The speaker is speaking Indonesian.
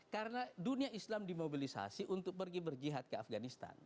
karena dunia islam dimobilisasi untuk pergi berjihad ke afganistan